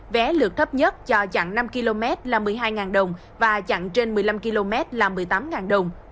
vé lượt thấp nhất cho chặn năm km là một mươi hai đồng và chặn trên một mươi năm km là một mươi tám đồng